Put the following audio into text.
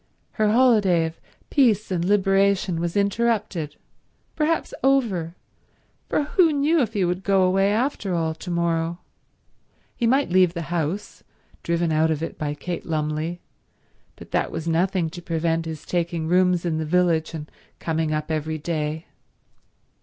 Her holiday of peace and liberation was interrupted—perhaps over, for who knew if he would go away, after all, to morrow? He might leave the house, driven out of it by Kate Lumley, but that was nothing to prevent his taking rooms in the village and coming up every day.